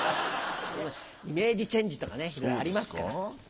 イメージチェンジとかねありますから。